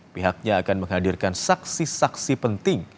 pihaknya akan menghadirkan saksi saksi penting